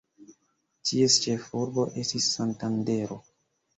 Ties ĉefurbo estis Santandero.